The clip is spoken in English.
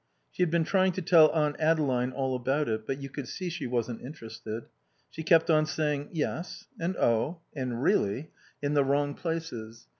She had been trying to tell Aunt Adeline all about it, but you could see she wasn't interested. She kept on saying "Yes" and "Oh" and "Really"? in the wrong places.